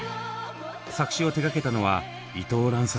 作詞を手がけたのは伊藤蘭さん。